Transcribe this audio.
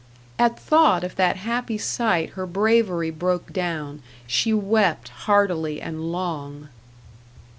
At thought of that happy sight, her bravery broke down. She wept heartily and long.